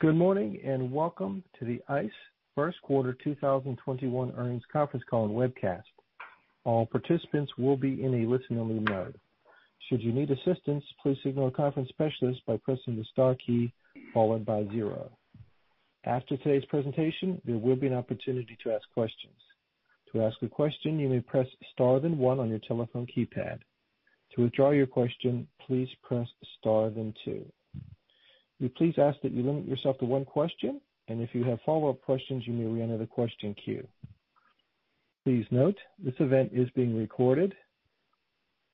Good morning. Welcome to the ICE first quarter 2021 earnings conference call and webcast. All participants will be in a listen-only mode. After today's presentation, there will be an opportunity to ask questions. We please ask that you limit yourself to one question, and if you have follow-up questions, you may reenter the question queue. Please note, this event is being recorded.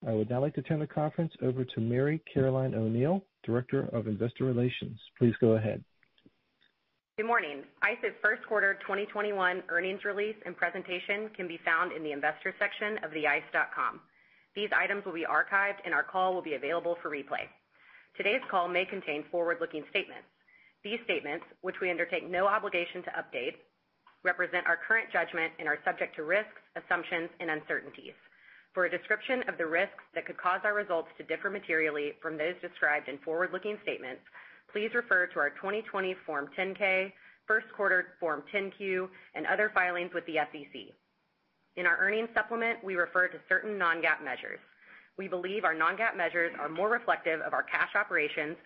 I would now like to turn the conference over to Mary Caroline O'Neal, Director of Investor Relations. Please go ahead. Good morning. ICE's first quarter 2021 earnings release and presentation can be found in the investors section of theice.com. These items will be archived, and our call will be available for replay. Today's call may contain forward-looking statements. These statements, which we undertake no obligation to update, represent our current judgment and are subject to risks, assumptions, and uncertainties. For a description of the risks that could cause our results to differ materially from those described in forward-looking statements, please refer to our 2020 Form 10-K, first quarter Form 10-Q, and other filings with the SEC. In our earnings supplement, we refer to certain non-GAAP measures. We believe our non-GAAP measures are more reflective of our cash operations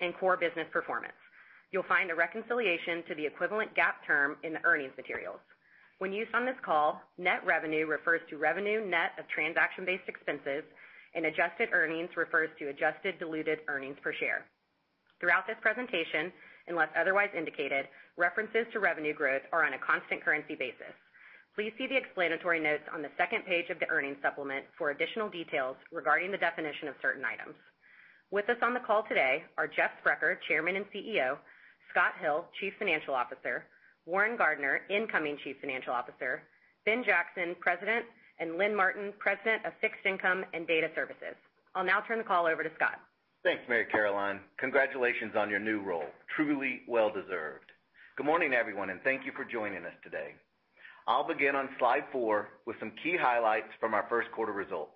and core business performance. You'll find a reconciliation to the equivalent GAAP term in the earnings materials. When used on this call, net revenue refers to revenue net of transaction-based expenses, and adjusted earnings refers to adjusted diluted earnings per share. Throughout this presentation, unless otherwise indicated, references to revenue growth are on a constant currency basis. Please see the explanatory notes on the second page of the earnings supplement for additional details regarding the definition of certain items. With us on the call today are Jeff Sprecher, Chairman and CEO, Scott Hill, Chief Financial Officer, Warren Gardiner, incoming Chief Financial Officer, Ben Jackson, President, and Lynn Martin, President of Fixed Income and Data Services. I'll now turn the call over to Scott. Thanks, Mary Caroline. Congratulations on your new role. Truly well-deserved. Good morning, everyone, and thank you for joining us today. I'll begin on slide four with some key highlights from our first quarter results.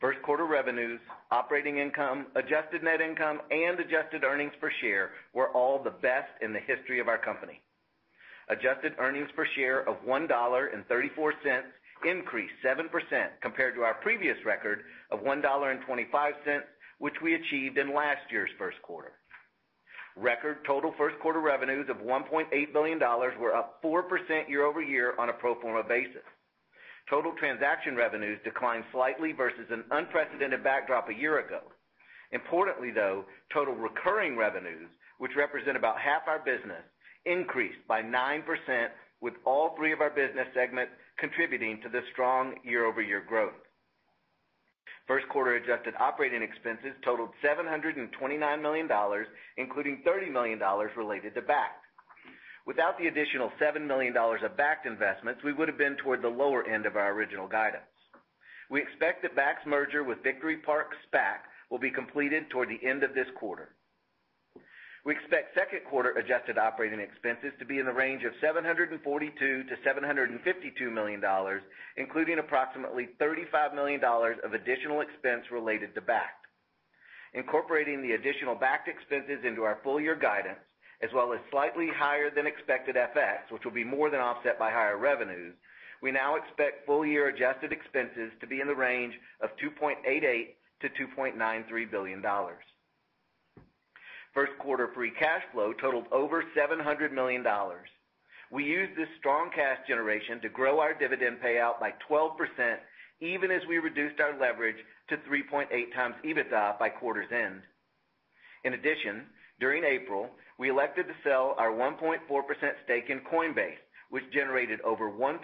First quarter revenues, operating income, adjusted net income, and adjusted earnings per share were all the best in the history of our company. Adjusted earnings per share of $1.34 increased 7% compared to our previous record of $1.25, which we achieved in last year's first quarter. Record total first-quarter revenues of $1.8 billion were up 4% year-over-year on a pro forma basis. Total transaction revenues declined slightly versus an unprecedented backdrop a year ago. Importantly, though, total recurring revenues, which represent about half our business, increased by 9% with all three of our business segments contributing to this strong year-over-year growth. First quarter adjusted operating expenses totaled $729 million, including $30 million related to Bakkt. Without the additional $7 million of Bakkt investments, we would've been toward the lower end of our original guidance. We expect that Bakkt's merger with Victory Park SPAC will be completed toward the end of this quarter. We expect second quarter adjusted operating expenses to be in the range of $742 million-$752 million, including approximately $35 million of additional expense related to Bakkt. Incorporating the additional Bakkt expenses into our full-year guidance, as well as slightly higher than expected FX, which will be more than offset by higher revenues, we now expect full-year adjusted expenses to be in the range of $2.88 billion-$2.93 billion. First quarter free cash flow totaled over $700 million. We used this strong cash generation to grow our dividend payout by 12%, even as we reduced our leverage to 3.8x EBITDA by quarter's end. During April, we elected to sell our 1.4% stake in Coinbase, which generated over $1.2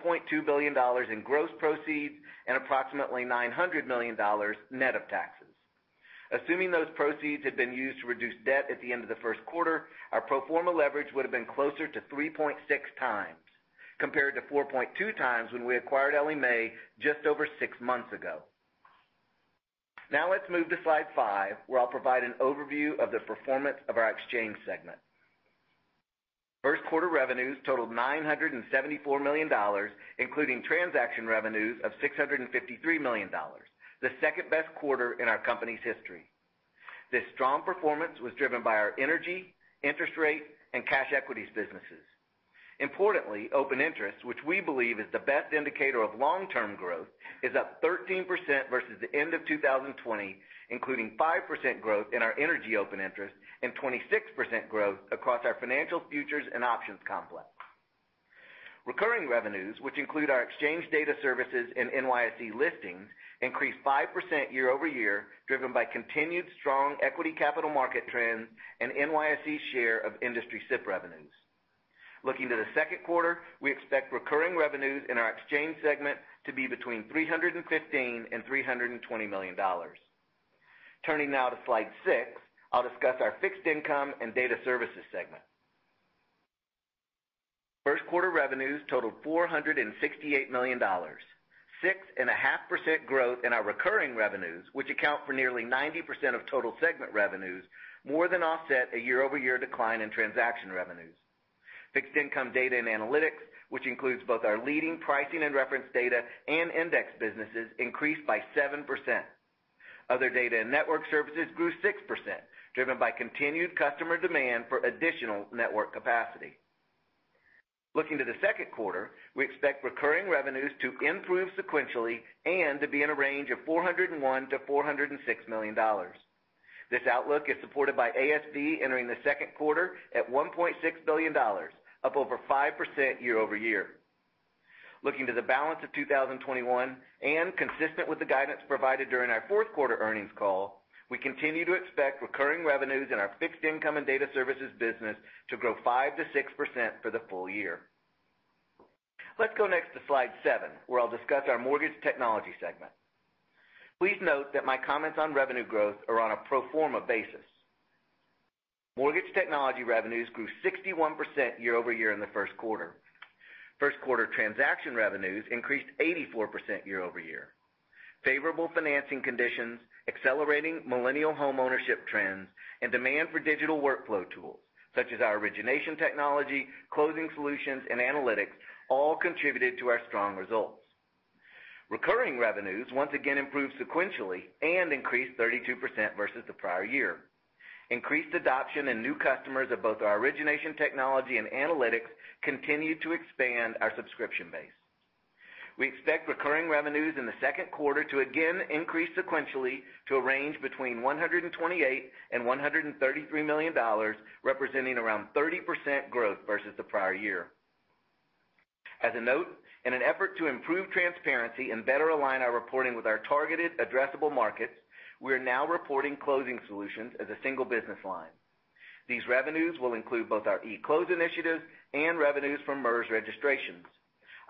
billion in gross proceeds and approximately $900 million net of taxes. Assuming those proceeds had been used to reduce debt at the end of the first quarter, our pro forma leverage would've been closer to 3.6x, compared to 4.2x when we acquired Ellie Mae just over six months ago. Let's move to slide five, where I'll provide an overview of the performance of our exchange segment. First quarter revenues totaled $974 million, including transaction revenues of $653 million, the second-best quarter in our company's history. This strong performance was driven by our energy, interest rate, and cash equities businesses. Importantly, open interest, which we believe is the best indicator of long-term growth, is up 13% versus the end of 2020, including 5% growth in our energy open interest and 26% growth across our financial futures and options complex. Recurring revenues, which include our exchange data services and NYSE listings, increased 5% year-over-year, driven by continued strong equity capital market trends and NYSE's share of industry SIP revenues. Looking to the second quarter, we expect recurring revenues in our exchange segment to be between $315 and $320 million. Turning now to slide six, I'll discuss our Fixed Income and Data Services segment. First quarter revenues totaled $468 million, 6.5% growth in our recurring revenues, which account for nearly 90% of total segment revenues, more than offset a year-over-year decline in transaction revenues. Fixed Income Data and Analytics, which includes both our leading pricing and reference data and index businesses, increased by 7%. Other data and network services grew 6%, driven by continued customer demand for additional network capacity. Looking to the second quarter, we expect recurring revenues to improve sequentially and to be in a range of $401 million-$406 million. This outlook is supported by ASV entering the second quarter at $1.6 billion, up over 5% year-over-year. Looking to the balance of 2021, and consistent with the guidance provided during our fourth quarter earnings call, we continue to expect recurring revenues in our Fixed Income and Data Services business to grow 5%-6% for the full year. Let's go next to slide seven, where I'll discuss our Mortgage Technology segment. Please note that my comments on revenue growth are on a pro forma basis. Mortgage Technology revenues grew 61% year-over-year in the first quarter. First quarter transaction revenues increased 84% year-over-year. Favorable financing conditions, accelerating millennial homeownership trends, and demand for digital workflow tools, such as our origination technology, closing solutions, and analytics, all contributed to our strong results. Recurring revenues once again improved sequentially and increased 32% versus the prior year. Increased adoption and new customers of both our origination technology and analytics continued to expand our subscription base. We expect recurring revenues in the second quarter to again increase sequentially to a range between $128 million and $133 million, representing around 30% growth versus the prior year. As a note, in an effort to improve transparency and better align our reporting with our targeted addressable markets, we're now reporting closing solutions as a single business line. These revenues will include both our e-close initiatives and revenues from MERS registrations.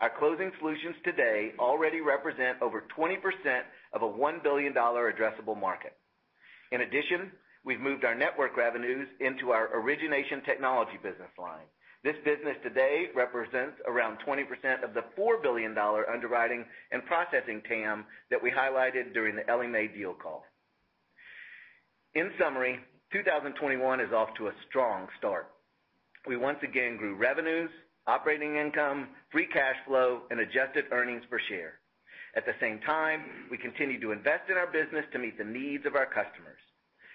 Our closing solutions today already represent over 20% of a $1 billion addressable market. In addition, we've moved our network revenues into our origination technology business line. This business today represents around 20% of the $4 billion underwriting and processing TAM that we highlighted during the Ellie Mae deal call. In summary, 2021 is off to a strong start. We once again grew revenues, operating income, free cash flow, and adjusted earnings per share. At the same time, we continued to invest in our business to meet the needs of our customers.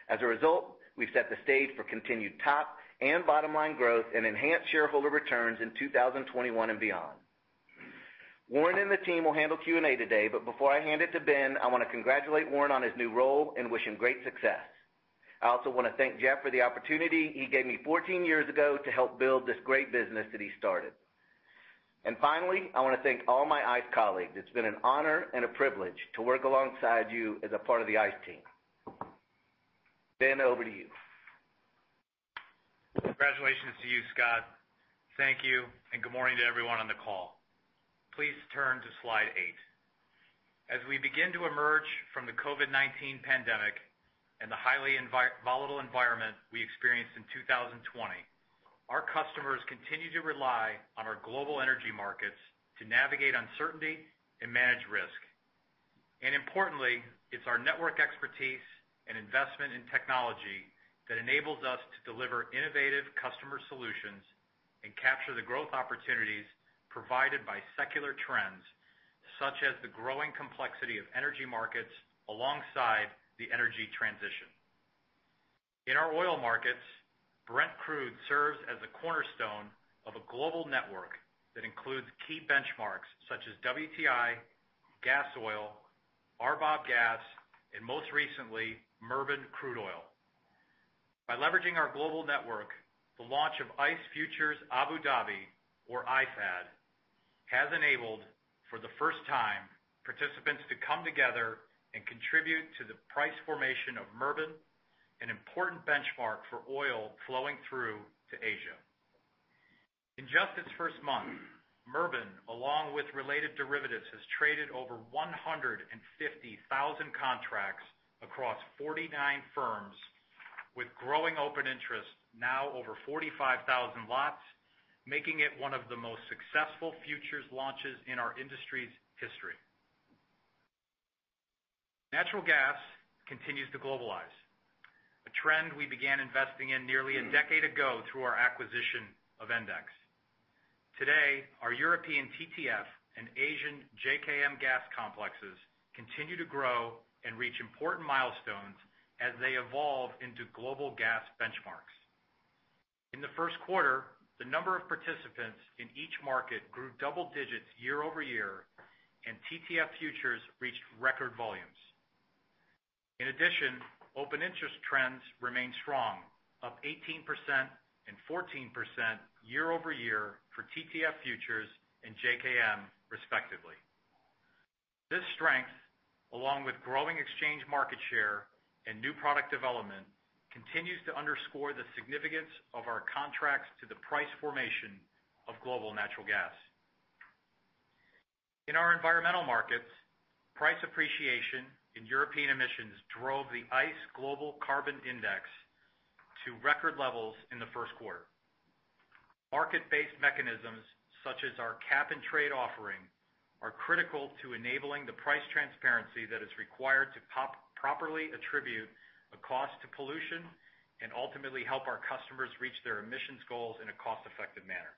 As a result, we've set the stage for continued top and bottom-line growth and enhanced shareholder returns in 2021 and beyond. Warren Gardiner and the team will handle Q&A today, but before I hand it to Benjamin Jackson, I want to congratulate Warren Gardiner on his new role and wish him great success. I also want to thank Jeff Sprecher for the opportunity he gave me 14 years ago to help build this great business that he started. Finally, I want to thank all my ICE colleagues. It's been an honor and a privilege to work alongside you as a part of the ICE team. Ben, over to you. Congratulations to you, Scott. Thank you and good morning to everyone on the call. Please turn to slide eight. As we begin to emerge from the COVID-19 pandemic and the highly volatile environment we experienced in 2020, our customers continue to rely on our global energy markets to navigate uncertainty and manage risk. Importantly, it's our network expertise and investment in technology that enables us to deliver innovative customer solutions and capture the growth opportunities provided by secular trends, such as the growing complexity of energy markets alongside the energy transition. In our oil markets, Brent Crude serves as the cornerstone of a global network that includes key benchmarks such as WTI, gas oil, RBOB gas, and most recently, Murban crude oil. By leveraging our global network, the launch of ICE Futures Abu Dhabi, or IFAD, has enabled, for the first time, participants to come together and contribute to the price formation of Murban, an important benchmark for oil flowing through to Asia. In just its first month, Murban, along with related derivatives, has traded over 150,000 contracts across 49 firms with growing open interest now over 45,000 lots, making it one of the most successful futures launches in our industry's history. Natural gas continues to globalize, a trend we began investing in nearly a decade ago through our acquisition of Endex. Today, our European TTF and Asian JKM gas complexes continue to grow and reach important milestones as they evolve into global gas benchmarks. In the first quarter, the number of participants in each market grew double digits year-over-year, and TTF futures reached record volumes. Open interest trends remain strong, up 18% and 14% year-over-year for TTF futures and JKM respectively. This strength, along with growing exchange market share and new product development, continues to underscore the significance of our contracts to the price formation of global natural gas. In our environmental markets, price appreciation in European emissions drove the ICE Global Carbon Index to record levels in the first quarter. Market-based mechanisms such as our cap and trade offering are critical to enabling the price transparency that is required to properly attribute a cost to pollution, and ultimately help our customers reach their emissions goals in a cost-effective manner.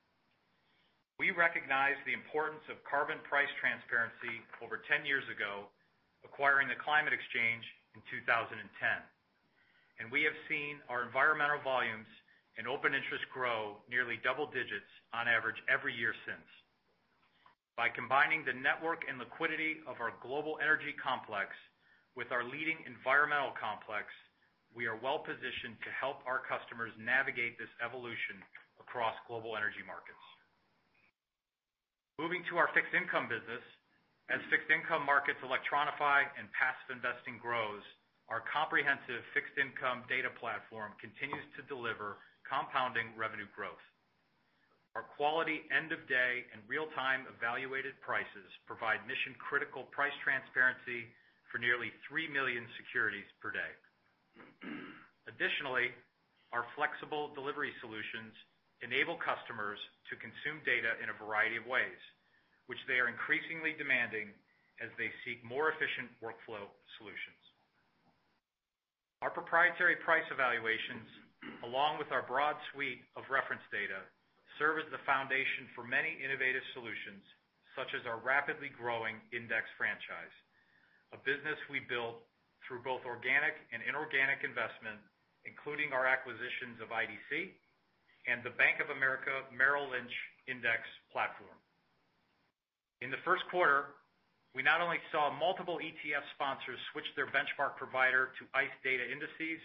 We recognized the importance of carbon price transparency over 10 years ago, acquiring the Climate Exchange in 2010. We have seen our environmental volumes and open interest grow nearly double digits on average every year since. By combining the network and liquidity of our global energy complex with our leading environmental complex, we are well-positioned to help our customers navigate this evolution across global energy markets. Moving to our fixed income business, as fixed income markets electronify and passive investing grows, our comprehensive fixed income data platform continues to deliver compounding revenue growth. Our quality end-of-day and real-time evaluated prices provide mission-critical price transparency for nearly three million securities per day. Additionally, our flexible delivery solutions enable customers to consume data in a variety of ways, which they are increasingly demanding as they seek more efficient workflow solutions. Our proprietary price evaluations, along with our broad suite of reference data, serve as the foundation for many innovative solutions, such as our rapidly growing index franchise, a business we built through both organic and inorganic investment, including our acquisitions of IDC and the Bank of America Merrill Lynch index platform. In the first quarter, we not only saw multiple ETF sponsors switch their benchmark provider to ICE Data Indices,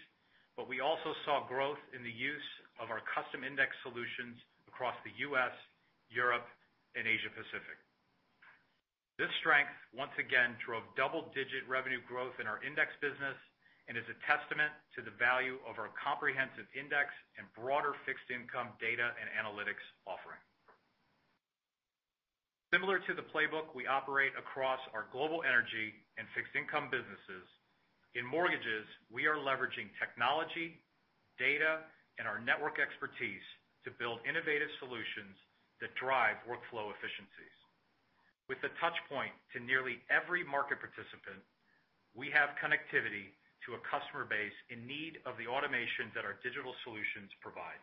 but we also saw growth in the use of our custom index solutions across the U.S., Europe, and Asia-Pacific. This strength once again drove double-digit revenue growth in our index business and is a testament to the value of our comprehensive index and broader fixed income data and analytics offering. Similar to the playbook we operate across our global energy and fixed income businesses, in mortgages, we are leveraging technology, data, and our network expertise to build innovative solutions that drive workflow efficiencies. With the touch point to nearly every market participant, we have connectivity to a customer base in need of the automation that our digital solutions provide.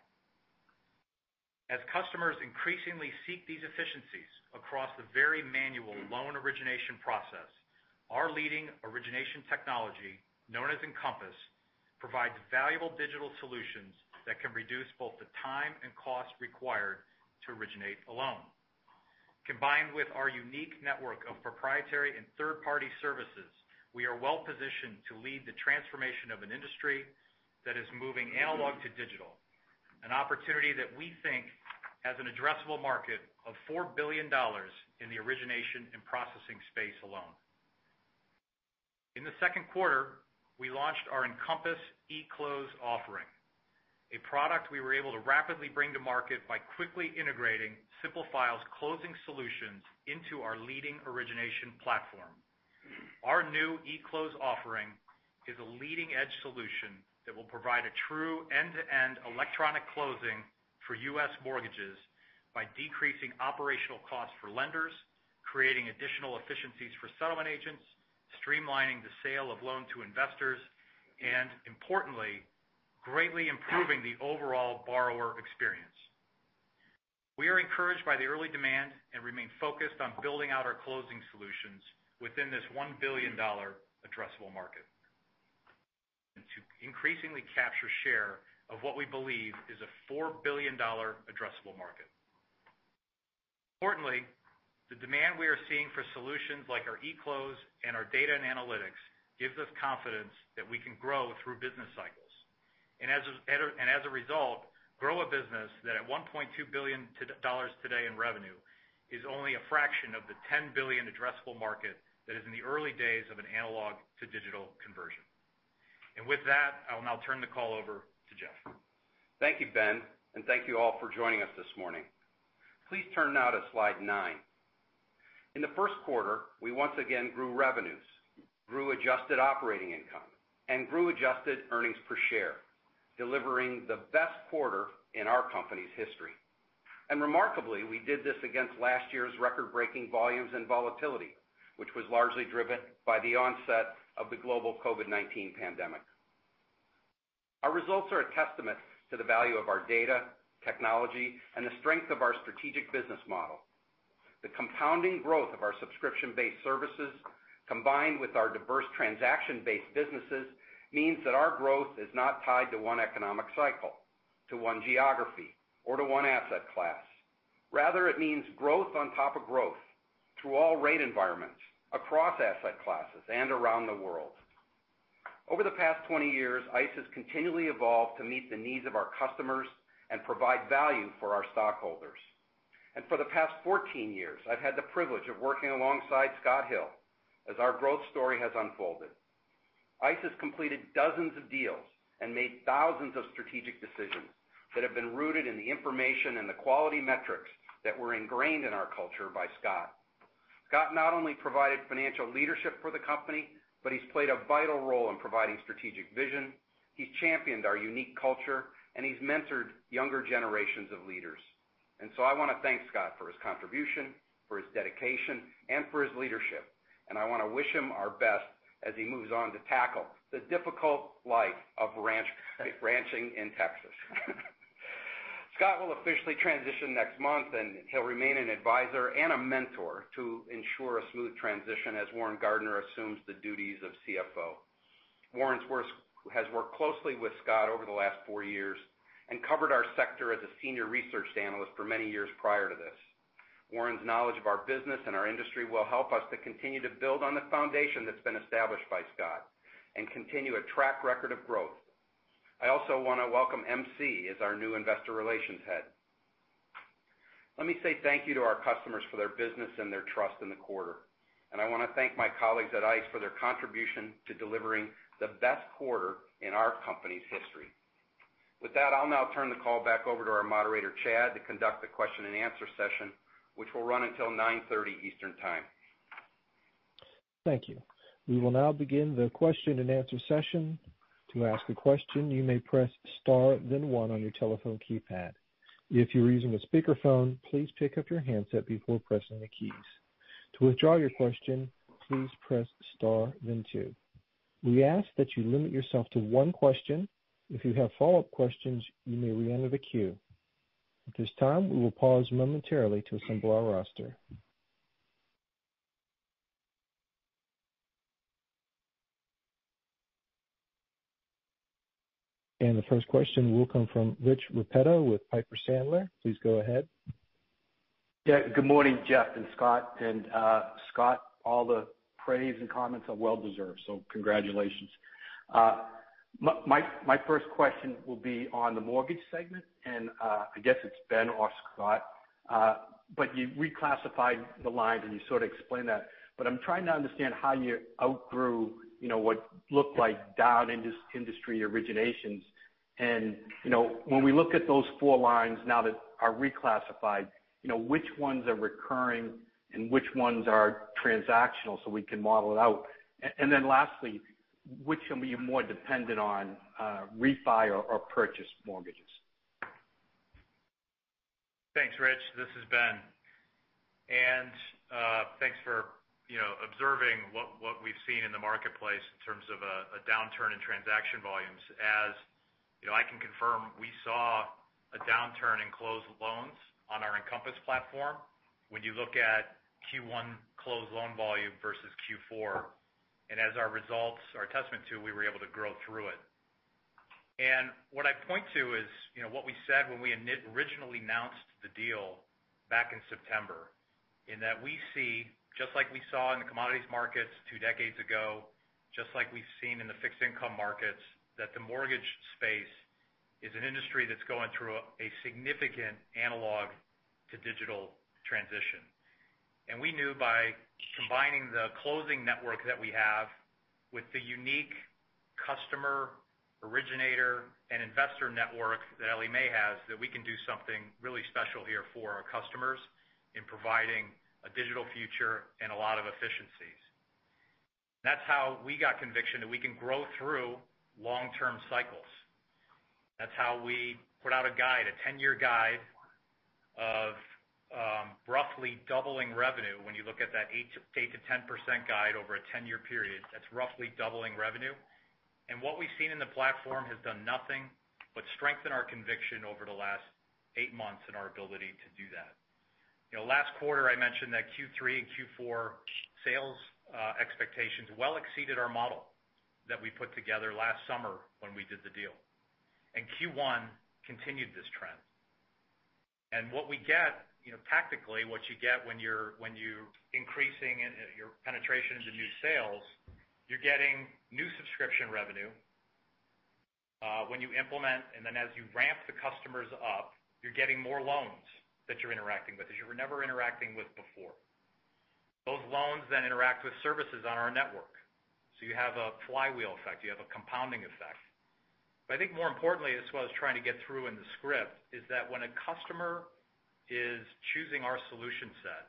As customers increasingly seek these efficiencies across the very manual loan origination process, our leading origination technology, known as Encompass, provides valuable digital solutions that can reduce both the time and cost required to originate a loan. Combined with our unique network of proprietary and third-party services, we are well-positioned to lead the transformation of an industry that is moving analog to digital, an opportunity that we think has an addressable market of $4 billion in the origination and processing space alone. In the second quarter, we launched our Encompass eClose offering, a product we were able to rapidly bring to market by quickly integrating Simplifile's closing solutions into our leading origination platform. Our new eClose offering is a leading-edge solution that will provide a true end-to-end electronic closing for U.S. mortgages by decreasing operational costs for lenders, creating additional efficiencies for settlement agents, streamlining the sale of loan to investors, and importantly, greatly improving the overall borrower experience. We are encouraged by the early demand and remain focused on building out our closing solutions within this $1 billion addressable market. To increasingly capture share of what we believe is a $4 billion addressable market. Importantly, the demand we are seeing for solutions like our eClose and our data and analytics gives us confidence that we can grow through business cycles. As a result, grow a business that at $1.2 billion today in revenue, is only a fraction of the $10 billion addressable market that is in the early days of an analog to digital conversion. With that, I will now turn the call over to Jeff. Thank you, Ben. Thank you all for joining us this morning. Please turn now to slide nine. In the first quarter, we once again grew revenues, grew adjusted operating income, and grew adjusted earnings per share, delivering the best quarter in our company's history. Remarkably, we did this against last year's record-breaking volumes and volatility, which was largely driven by the onset of the global COVID-19 pandemic. Our results are a testament to the value of our data, technology, and the strength of our strategic business model. The compounding growth of our subscription-based services, combined with our diverse transaction-based businesses, means that our growth is not tied to one economic cycle, to one geography, or to one asset class. Rather, it means growth on top of growth through all rate environments, across asset classes, and around the world. Over the past 20 years, ICE has continually evolved to meet the needs of our customers and provide value for our stockholders. For the past 14 years, I've had the privilege of working alongside Scott Hill as our growth story has unfolded. ICE has completed dozens of deals and made thousands of strategic decisions that have been rooted in the information and the quality metrics that were ingrained in our culture by Scott. Scott not only provided financial leadership for the company, but he's played a vital role in providing strategic vision. He's championed our unique culture, and he's mentored younger generations of leaders. I want to thank Scott for his contribution, for his dedication, and for his leadership, and I want to wish him our best as he moves on to tackle the difficult life of ranching in Texas. Scott will officially transition next month, and he'll remain an advisor and a mentor to ensure a smooth transition as Warren Gardiner assumes the duties of CFO. Warren has worked closely with Scott over the last four years and covered our sector as a senior research analyst for many years prior to this. Warren's knowledge of our business and our industry will help us to continue to build on the foundation that's been established by Scott and continue a track record of growth. I also want to welcome MC as our new Investor Relations Head. Let me say thank you to our customers for their business and their trust in the quarter. I want to thank my colleagues at ICE for their contribution to delivering the best quarter in our company's history. With that, I'll now turn the call back over to our moderator, Chad, to conduct the question and answer session, which will run until 9:30 Eastern Time. Thank you. We will now begin the question and answer session. To ask a question, you may press star then one on your telephone keypad. If you're using a speakerphone, please pick up your handset before pressing the keys. To withdraw your question, please press star then two. We ask that you limit yourself to one question. If you have follow-up questions, you may reenter the queue. At this time, we will pause momentarily to assemble our roster. The first question will come from Rich Repetto with Piper Sandler. Please go ahead. Good morning, Jeff and Scott. Scott, all the praise and comments are well deserved. Congratulations. My first question will be on the Mortgage Technology segment. I guess it's Benjamin or Scott. You reclassified the lines. You sort of explained that. I'm trying to understand how you outgrew what looked like down industry originations. When we look at those four lines now that are reclassified, which ones are recurring and which ones are transactional so we can model it out? Lastly, which of them are you more dependent on, refi or purchase mortgages? Thanks, Rich. This is Ben. Thanks for observing what we've seen in the marketplace in terms of a downturn in transaction volumes. As you know, I can confirm we saw a downturn in closed loans on our Encompass platform when you look at Q1 closed loan volume versus Q4. As our results are a testament to, we were able to grow through it. What I'd point to is what we said when we originally announced the deal back in September, in that we see, just like we saw in the commodities markets two decades ago, just like we've seen in the fixed income markets, that the mortgage space is an industry that's going through a significant analog to digital transition. We knew by combining the closing network that we have with the unique customer, originator, and investor network that Ellie Mae has, that we can do something really special here for our customers in providing a digital future and a lot of efficiencies. That's how we got conviction that we can grow through long-term cycles. That's how we put out a guide, a 10-year guide of roughly doubling revenue. When you look at that 8%-10% guide over a 10-year period, that's roughly doubling revenue. What we've seen in the platform has done nothing but strengthen our conviction over the last eight months in our ability to do that. Last quarter, I mentioned that Q3 and Q4 sales expectations well exceeded our model that we put together last summer when we did the deal. Q1 continued this trend. Tactically, what you get when you're increasing your penetration into new sales, you're getting new subscription revenue. When you implement and then as you ramp the customers up, you're getting more loans that you're interacting with that you were never interacting with before. Those loans then interact with services on our network. You have a flywheel effect. You have a compounding effect. I think more importantly, this is what I was trying to get through in the script, is that when a customer is choosing our solution set,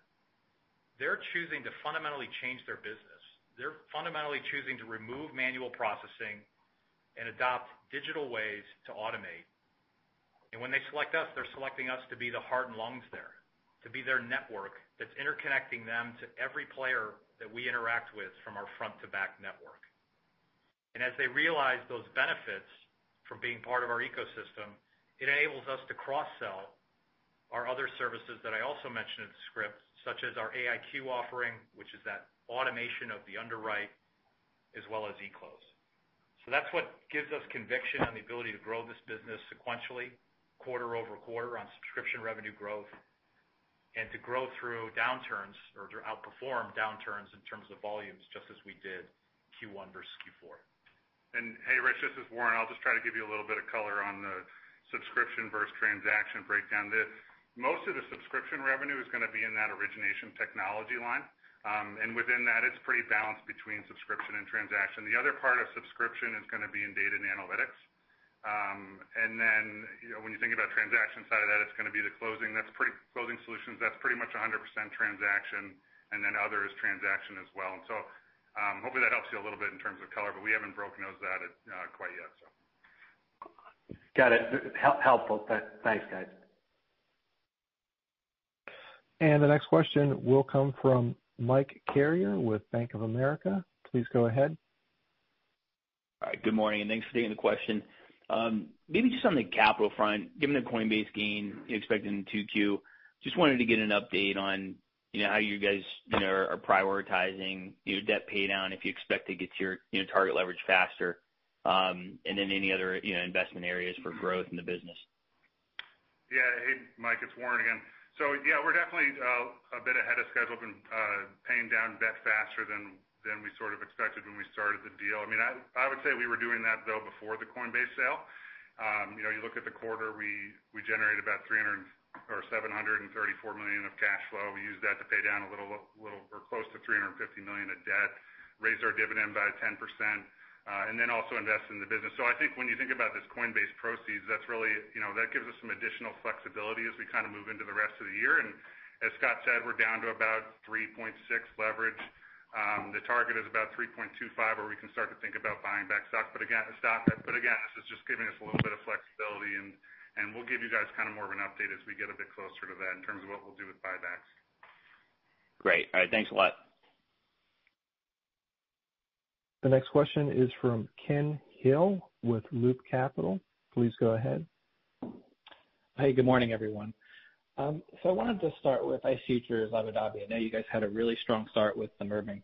they're choosing to fundamentally change their business. They're fundamentally choosing to remove manual processing and adopt digital ways to automate. When they select us, they're selecting us to be the heart and lungs there, to be their network that's interconnecting them to every player that we interact with from our front to back network. As they realize those benefits from being part of our ecosystem, it enables us to cross-sell our other services that I also mentioned in the script, such as our AIQ offering, which is that automation of the underwrite, as well as eClose. That's what gives us conviction and the ability to grow this business sequentially quarter-over-quarter on subscription revenue growth and to grow through downturns or to outperform downturns in terms of volumes, just as we did Q1 versus Q4. Hey, Rich, this is Warren. I'll just try to give you a little bit of color on the subscription versus transaction breakdown. Most of the subscription revenue is going to be in that origination technology line. Within that, it's pretty balanced between subscription and transaction. The other part of subscription is going to be in data and analytics. When you think about transaction side of that, it's going to be the closing. That's pretty much 100% transaction, and then other is transaction as well. Hopefully that helps you a little bit in terms of color, but we haven't broken those out quite yet. Got it. Helpful. Thanks, guys. The next question will come from Mike Carrier with Bank of America. Please go ahead. All right. Good morning. Thanks for taking the question. Maybe just on the capital front, given the Coinbase gain you expect in 2Q, just wanted to get an update on how you guys are prioritizing your debt pay down, if you expect to get to your target leverage faster, and then any other investment areas for growth in the business. Yeah. Hey, Mike, it's Warren again. Yeah, we're definitely a bit ahead of schedule paying down debt faster than we sort of expected when we started the deal. I would say we were doing that, though, before the Coinbase sale. You look at the quarter, we generated about $734 million of cash flow. We used that to pay down a little over close to $350 million of debt, raised our dividend by 10%, and then also invest in the business. I think when you think about this Coinbase proceeds, that gives us some additional flexibility as we kind of move into the rest of the year. As Scott said, we're down to about 3.6 leverage. The target is about 3.25, where we can start to think about buying back stock. Again, this is just giving us a little bit of flexibility and we'll give you guys kind of more of an update as we get a bit closer to that in terms of what we'll do with buybacks. Great. All right. Thanks a lot. The next question is from Ken Hill with Loop Capital. Please go ahead. Hey, good morning, everyone. I wanted to start with ICE Futures Abu Dhabi. I know you guys had a really strong start with the Murban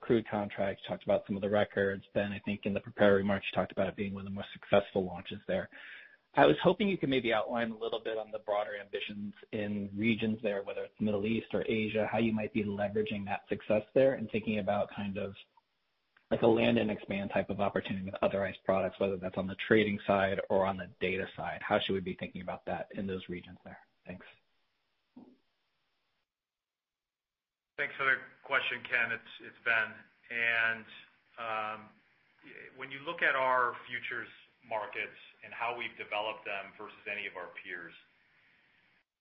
crude contract. You talked about some of the records then. I think in the prepared remarks, you talked about it being one of the most successful launches there. I was hoping you could maybe outline a little bit on the broader ambitions in regions there, whether it's Middle East or Asia, how you might be leveraging that success there and thinking about kind of like a land and expand type of opportunity with other ICE products, whether that's on the trading side or on the data side. How should we be thinking about that in those regions there? Thanks. Thanks for the question, Ken. It's Ben. When you look at our futures markets and how we've developed them versus any of our peers,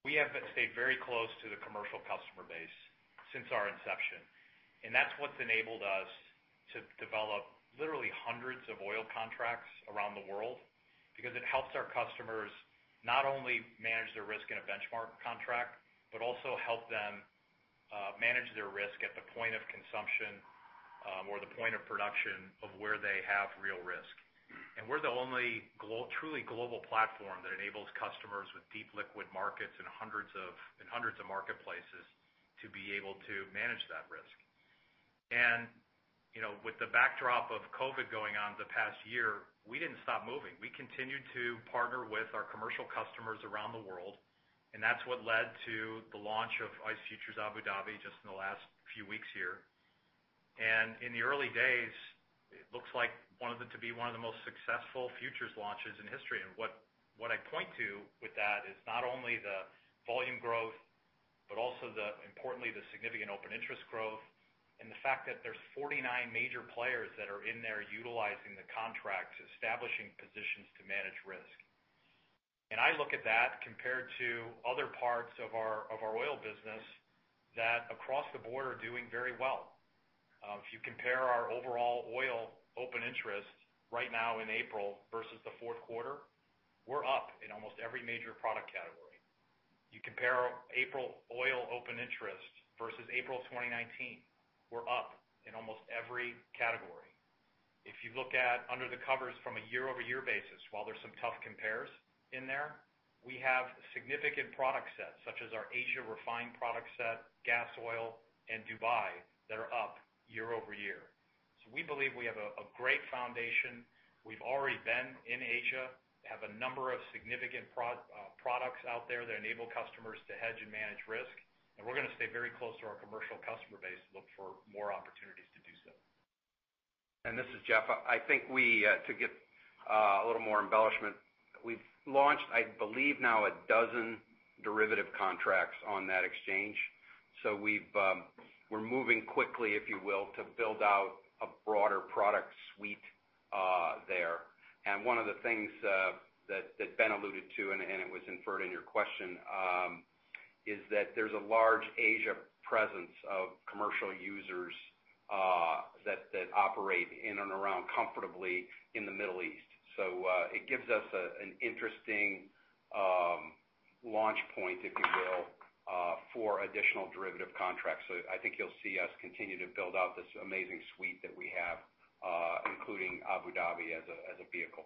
we have stayed very close to the commercial customer base since our inception. That's what's enabled us to develop literally hundreds of oil contracts around the world. It helps our customers not only manage their risk in a benchmark contract, but also help them manage their risk at the point of consumption, or the point of production of where they have real risk. We're the only truly global platform that enables customers with deep liquid markets in hundreds of marketplaces to be able to manage that risk. With the backdrop of COVID going on the past year, we didn't stop moving. We continued to partner with our commercial customers around the world, that's what led to the launch of ICE Futures Abu Dhabi just in the last few weeks here. In the early days, it looks like to be one of the most successful futures launches in history. What I point to with that is not only the volume growth, but also importantly, the significant open interest growth and the fact that there's 49 major players that are in there utilizing the contracts, establishing positions to manage risk. I look at that compared to other parts of our oil business that across the board are doing very well. If you compare our overall oil open interest right now in April versus the fourth quarter, we're up in almost every major product category. You compare April oil open interest versus April 2019, we're up in almost every category. If you look at under the covers from a year-over-year basis, while there's some tough compares in there, we have significant product sets such as our Asia refined product set, gas oil, and Dubai that are up year-over-year. We believe we have a great foundation. We've already been in Asia, have a number of significant products out there that enable customers to hedge and manage risk, and we're going to stay very close to our commercial customer base to look for more opportunities to do so. This is Jeff. I think to give a little more embellishment, we've launched, I believe, now 12 derivative contracts on that exchange, so we're moving quickly, if you will, to build out a broader product suite there. One of the things that Ben alluded to, and it was inferred in your question, is that there's a large Asia presence of commercial users that operate in and around comfortably in the Middle East. It gives us an interesting launch point, if you will, for additional derivative contracts. I think you'll see us continue to build out this amazing suite that we have, including Abu Dhabi as a vehicle.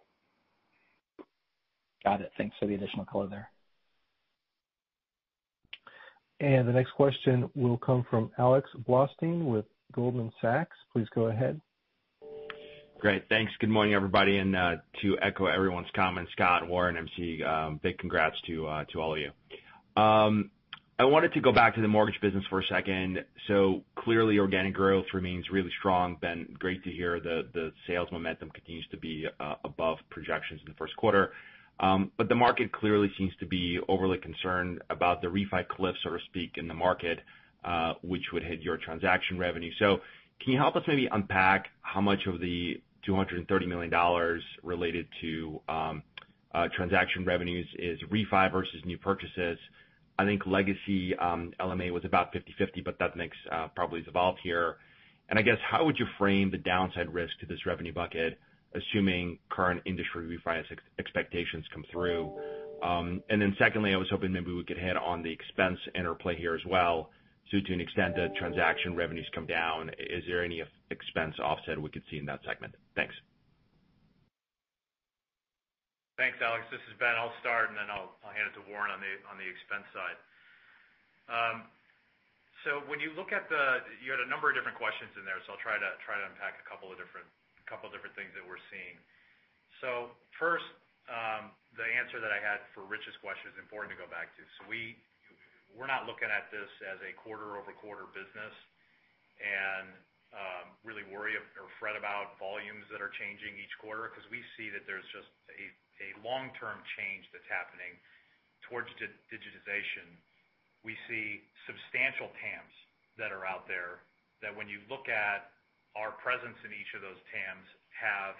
Got it. Thanks for the additional color there. The next question will come from Alex Blostein with Goldman Sachs. Please go ahead. Great. Thanks. Good morning, everybody. To echo everyone's comments, Scott, Warren, Mary Caroline, big congrats to all of you. I wanted to go back to the mortgage business for a second. Clearly, organic growth remains really strong. Ben, great to hear the sales momentum continues to be above projections in the first quarter. The market clearly seems to be overly concerned about the refi cliff, so to speak, in the market, which would hit your transaction revenue. Can you help us maybe unpack how much of the $230 million related to transaction revenues is refi versus new purchases? I think legacy Ellie Mae was about 50/50, that mix probably has evolved here. I guess, how would you frame the downside risk to this revenue bucket, assuming current industry refi expectations come through? Secondly, I was hoping maybe we could hit on the expense interplay here as well. To an extent that transaction revenues come down, is there any expense offset we could see in that segment? Thanks. Thanks, Alex. This is Ben. I'll start, and then I'll hand it to Warren on the expense side. When you look at, you had a number of different questions in there, so I'll try to unpack a couple of different things that we're seeing. First, the answer that I had for Rich's question is important to go back to. We're not looking at this as a quarter-over-quarter business and really worry or fret about volumes that are changing each quarter, because we see that there's just a long-term change that's happening towards digitization. We see substantial TAMs that are out there, that when you look at our presence in each of those TAMs, have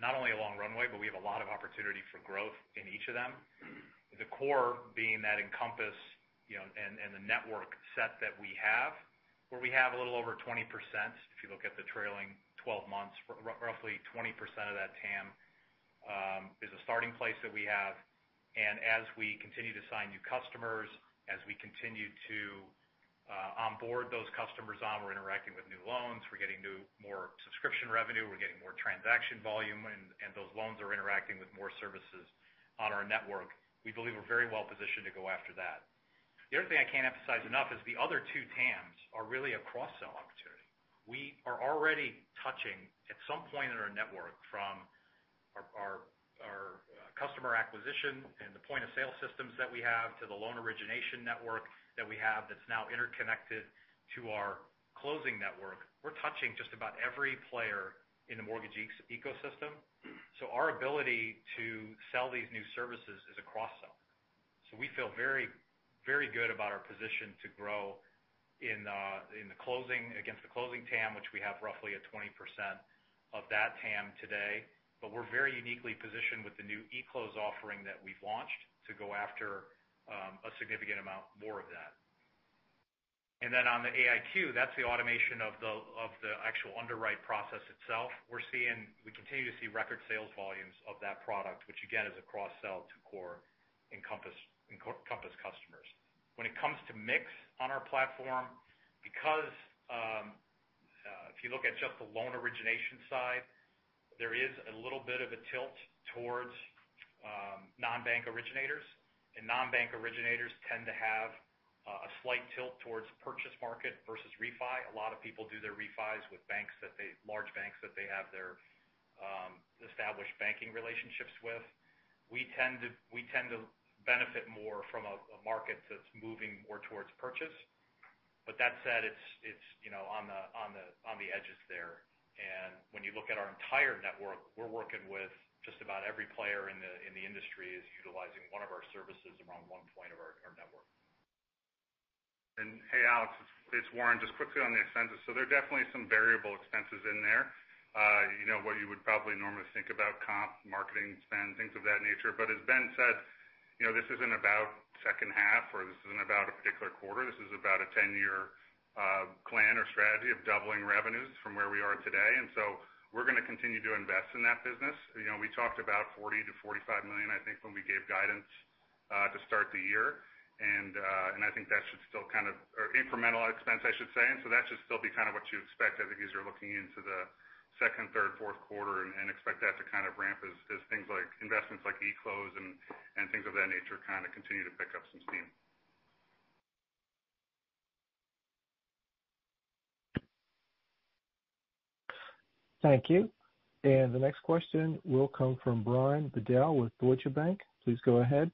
not only a long runway, but we have a lot of opportunity for growth in each of them. The core being that Encompass and the network set that we have, where we have a little over 20%, if you look at the trailing 12 months. Roughly 20% of that TAM is a starting place that we have. As we continue to sign new customers, as we continue to onboard those customers on, we're interacting with new loans, we're getting more subscription revenue, we're getting more transaction volume, and those loans are interacting with more services on our network. We believe we're very well-positioned to go after that. The other thing I can't emphasize enough is the other two TAMs are really a cross-sell opportunity. We are already touching, at some point in our network, from our customer acquisition and the point-of-sale systems that we have, to the loan origination network that we have, that's now interconnected to our closing network. We're touching just about every player in the mortgage ecosystem. Our ability to sell these new services is a cross-sell. We feel very good about our position to grow against the closing TAM, which we have roughly at 20% of that TAM today. We're very uniquely positioned with the new e-close offering that we've launched to go after a significant amount more of that. On the AIQ, that's the automation of the actual underwrite process itself. We continue to see record sales volumes of that product, which again, is a cross-sell to core Encompass customers. When it comes to mix on our platform, because if you look at just the loan origination side, there is a little bit of a tilt towards non-bank originators. Non-bank originators tend to have a slight tilt towards purchase market versus refi. A lot of people do their refis with large banks that they have their established banking relationships with. We tend to benefit more from a market that's moving more towards purchase. That said, it's on the edges there. When you look at our entire network, we're working with just about every player in the industry is utilizing one of our services around one point of our network. Hey, Alex, it's Warren. Just quickly on the expenses. There are definitely some variable expenses in there. What you would probably normally think about comp, marketing spend, things of that nature. As Ben said, this isn't about second half, or this isn't about a particular quarter, this is about a 10-year plan or strategy of doubling revenues from where we are today. We're going to continue to invest in that business. We talked about $40 million-$45 million, I think, when we gave guidance to start the year. I think that should still, or incremental expense, I should say. That should still be kind of what you expect as you're looking into the second, third, fourth quarter, and expect that to kind of ramp as things like investments like eClose and things of that nature kind of continue to pick up some steam. Thank you. The next question will come from Brian Bedell with Deutsche Bank. Please go ahead.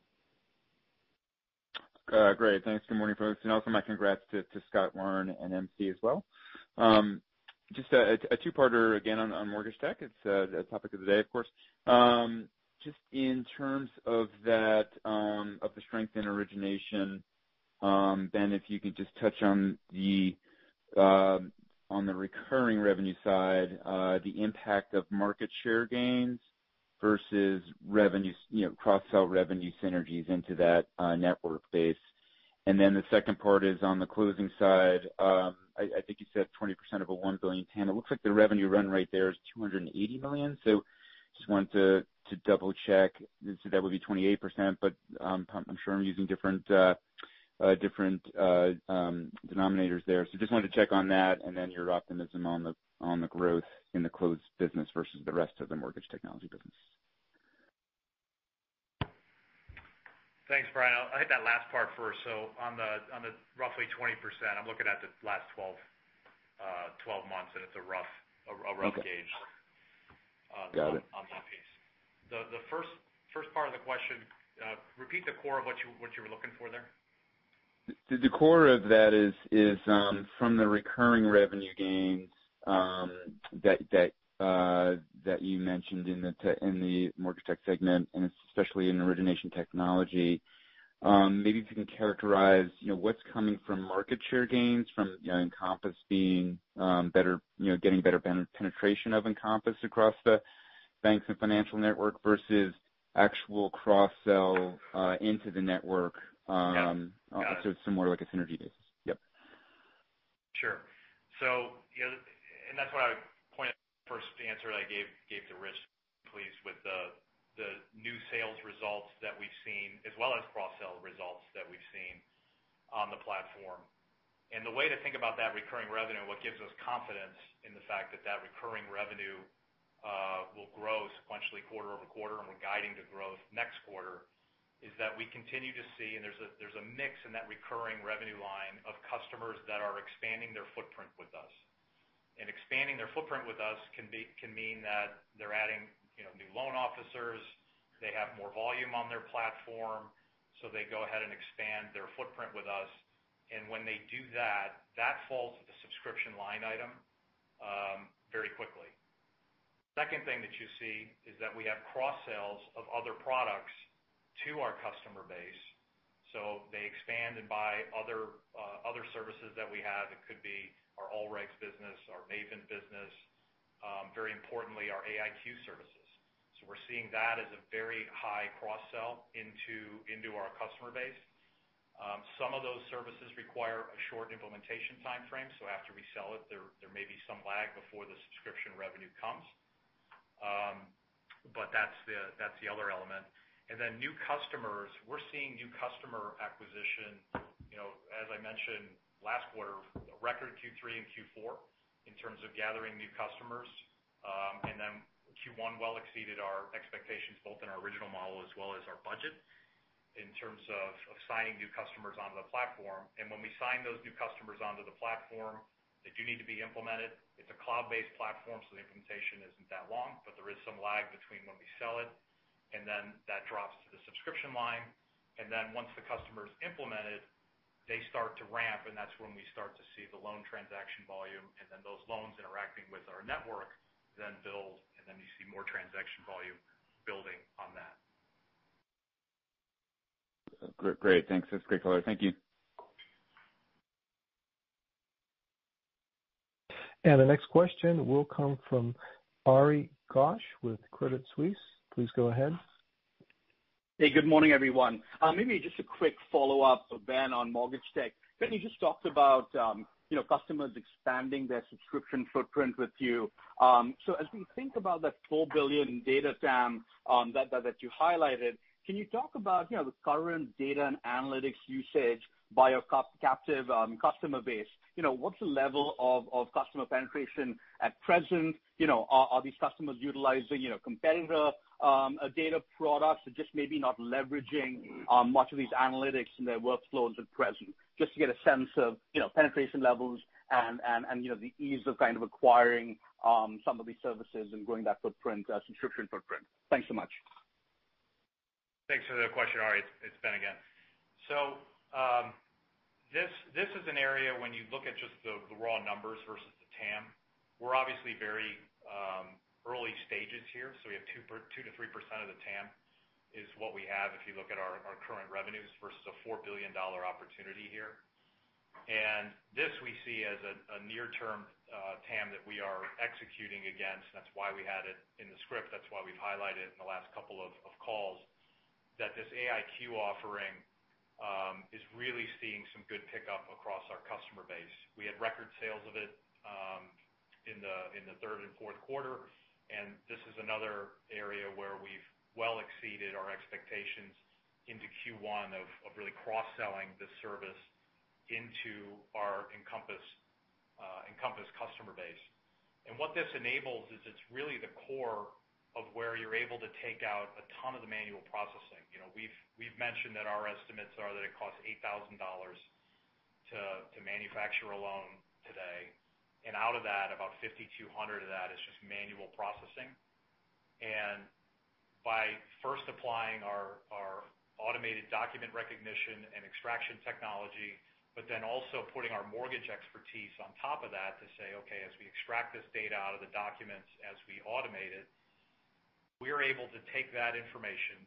Great. Thanks. Good morning, folks. Also my congrats to Scott, Warren, and MC as well. Just a two-parter again on Mortgage Technology. It's the topic of the day, of course. Just in terms of the strength in origination, Ben, if you could just touch on the recurring revenue side, the impact of market share gains versus cross-sell revenue synergies into that network base. Then the second part is on the closing side. I think you said 20% of a $1 billion TAM. It looks like the revenue run rate there is $280 million. Just wanted to double-check. That would be 28%, but I'm sure I'm using different denominators there. Just wanted to check on that, and then your optimism on the growth in the closed business versus the rest of the Mortgage Technology business. Thanks, Brian. I'll hit that last part first. On the roughly 20%, I'm looking at the last 12 months, and it's a rough gauge on that piece. The first part of the question, repeat the core of what you were looking for there. The core of that is from the recurring revenue gains that you mentioned in the MortgageTech segment, especially in origination technology. Maybe if you can characterize what's coming from market share gains from Encompass getting better penetration of Encompass across the banks and financial network versus actual cross-sell into the network. Yeah. Got it. It's more like a synergy basis. Yep. Sure. That's what I pointed, first answer that I gave to Rich Repetto please with the new sales results that we've seen, as well as cross-sell results that we've seen on the platform. The way to think about that recurring revenue, what gives us confidence in the fact that that recurring revenue will grow sequentially quarter-over-quarter, and we're guiding to growth next quarter, is that we continue to see, and there's a mix in that recurring revenue line of customers that are expanding their footprint with us. Expanding their footprint with us can mean that they're adding new loan officers, they have more volume on their platform, so they go ahead and expand their footprint with us. When they do that falls to the subscription line item very quickly. Second thing that you see is that we have cross-sells of other products to our customer base. They expand and buy other services that we have. It could be our AllRegs business, our Mavent business, very importantly, our AIQ services. We're seeing that as a very high cross-sell into our customer base. Some of those services require a short implementation timeframe, so after we sell it, there may be some lag before the subscription revenue comes. That's the other element. New customers. We're seeing new customer acquisition, as I mentioned last quarter, record Q3 and Q4 in terms of gathering new customers. Q1 well exceeded our expectations, both in our original model as well as our budget in terms of assigning new customers onto the platform. When we sign those new customers onto the platform, they do need to be implemented. It's a cloud-based platform, so the implementation isn't that long, but there is some lag between when we sell it, and then that drops to the subscription line. Once the customer's implemented, they start to ramp, and that's when we start to see the loan transaction volume and then those loans interacting with our network then build, and then you see more transaction volume building on that. Great. Thanks. That's great color. Thank you. The next question will come from Ari Ghosh with Credit Suisse. Please go ahead. Hey, good morning, everyone. Maybe just a quick follow-up for Ben on MortgageTech. Ben, you just talked about customers expanding their subscription footprint with you. As we think about that $4 billion in data TAM that you highlighted, can you talk about the current data and analytics usage by your captive customer base? What's the level of customer penetration at present? Are these customers utilizing competitor data products or just maybe not leveraging much of these analytics in their workflows at present? Just to get a sense of penetration levels and the ease of acquiring some of these services and growing that subscription footprint. Thanks so much. Thanks for the question, Ari. It's Ben again. This is an area when you look at just the raw numbers versus the TAM. We're obviously very early stages here. We have 2%-3% of the TAM is what we have if you look at our current revenues versus a $4 billion opportunity here. This we see as a near-term TAM that we are executing against. That's why we had it in the script. That's why we've highlighted in the last couple of calls that this AIQ offering is really seeing some good pickup across our customer base. We had record sales of it in the third and fourth quarter, and this is another area where we've well exceeded our expectations into Q1 of really cross-selling this service into our Encompass customer base. What this enables is it's really the core of where you're able to take out a ton of the manual processing. We've mentioned that our estimates are that it costs $8,000 to manufacture a loan today. Out of that, about $5,200 of that is just manual processing. By first applying our automated document recognition and extraction technology, but then also putting our mortgage expertise on top of that to say, "Okay, as we extract this data out of the documents, as we automate it, we are able to take that information,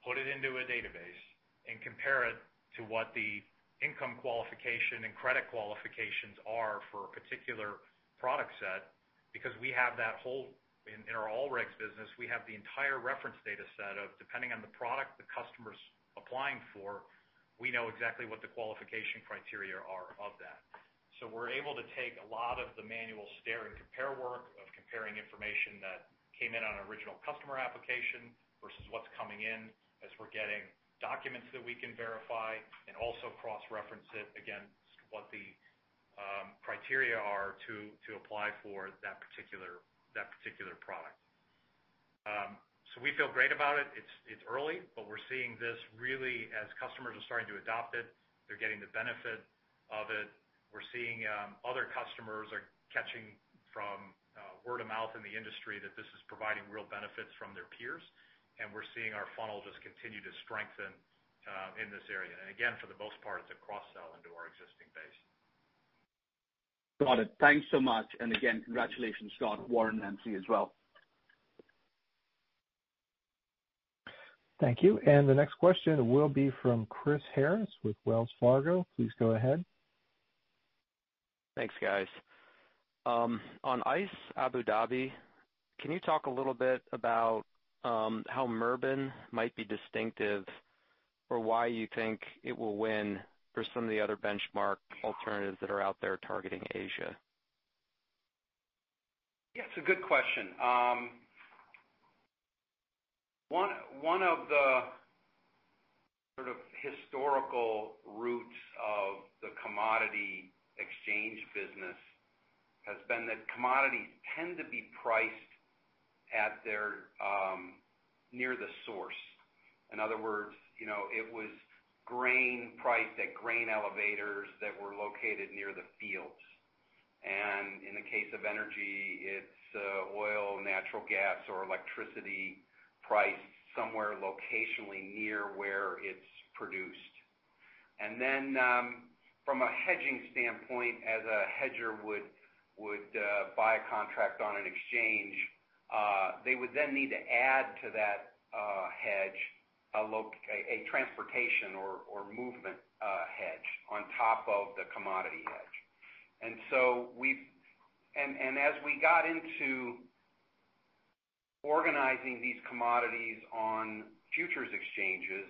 put it into a database, and compare it to what the income qualification and credit qualifications are for a particular product set, because in our AllRegs business, we have the entire reference data set of, depending on the product the customer's applying for, we know exactly what the qualification criteria are of that. We're able to take a lot of the manual stare and compare work of comparing information that came in on an original customer application versus what's coming in as we're getting documents that we can verify and also cross-reference it against what the criteria are to apply for that particular product. We feel great about it. It's early, but we're seeing this really as customers are starting to adopt it, they're getting the benefit of it. We're seeing other customers are catching from. Word of mouth in the industry that this is providing real benefits from their peers, and we're seeing our funnel just continue to strengthen in this area. Again, for the most part, it's a cross-sell into our existing base. Got it. Thanks so much. Again, congratulations, Scott, Warren, MC, as well. Thank you. The next question will be from Chris Harris with Wells Fargo. Please go ahead. Thanks, guys. On ICE Abu Dhabi, can you talk a little bit about how Murban might be distinctive or why you think it will win for some of the other benchmark alternatives that are out there targeting Asia? Yeah, it's a good question. One of the sort of historical roots of the commodity exchange business has been that commodities tend to be priced near the source. In other words, it was grain priced at grain elevators that were located near the fields. In the case of energy, it's oil, natural gas, or electricity priced somewhere locationally near where it's produced. From a hedging standpoint, as a hedger would buy a contract on an exchange, they would then need to add to that hedge, a transportation or movement hedge on top of the commodity hedge. As we got into organizing these commodities on futures exchanges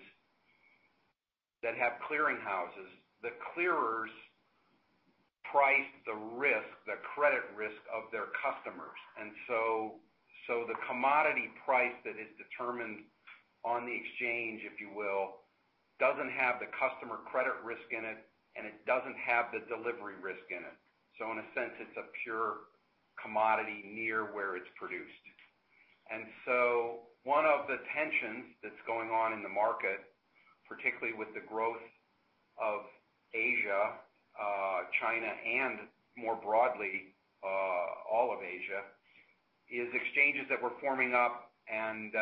that have clearing houses, the clearers priced the risk, the credit risk of their customers. The commodity price that is determined on the exchange, if you will, doesn't have the customer credit risk in it, and it doesn't have the delivery risk in it. In a sense, it's a pure commodity near where it's produced. One of the tensions that's going on in the market, particularly with the growth of Asia, China, and more broadly, all of Asia, is exchanges that were forming up and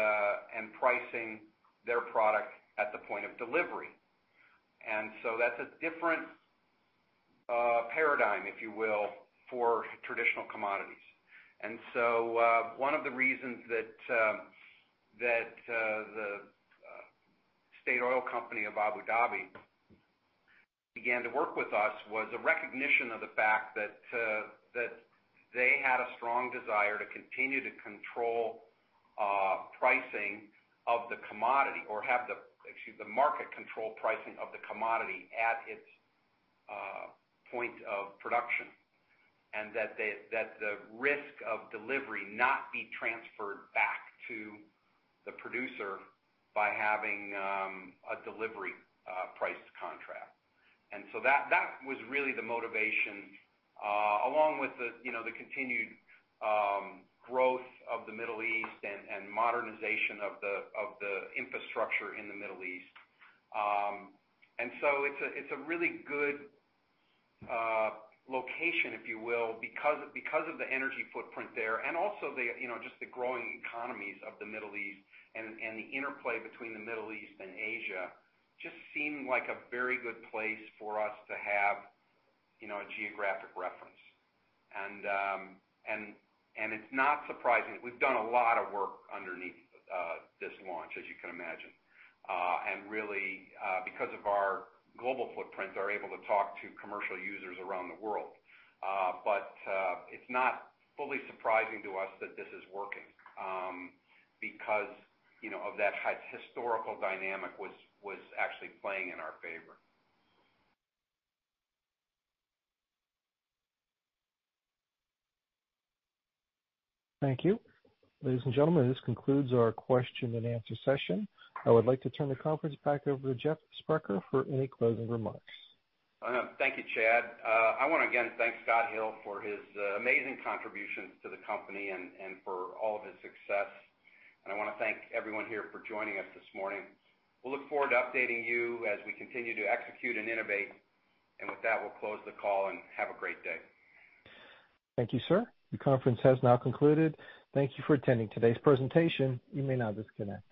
pricing their product at the point of delivery. That's a different paradigm, if you will, for traditional commodities. One of the reasons that the State Oil company of Abu Dhabi began to work with us was a recognition of the fact that they had a strong desire to continue to control pricing of the commodity, or have, excuse me, the market control pricing of the commodity at its point of production, and that the risk of delivery not be transferred back to the producer by having a delivery price contract. That was really the motivation, along with the continued growth of the Middle East and modernization of the infrastructure in the Middle East. It's a really good location, if you will, because of the energy footprint there and also just the growing economies of the Middle East and the interplay between the Middle East and Asia, just seemed like a very good place for us to have a geographic reference. It's not surprising. We've done a lot of work underneath this launch, as you can imagine. Really, because of our global footprint, are able to talk to commercial users around the world. It's not fully surprising to us that this is working, because of that historical dynamic was actually playing in our favor. Thank you. Ladies and gentlemen, this concludes our question and answer session. I would like to turn the conference back over to Jeff Sprecher for any closing remarks. Thank you, Chad. I want to again, thank Scott Hill for his amazing contributions to the company and for all of his success. I want to thank everyone here for joining us this morning. We'll look forward to updating you as we continue to execute and innovate. With that, we'll close the call and have a great day. Thank you, sir. The conference has now concluded. Thank you for attending today's presentation. You may now disconnect.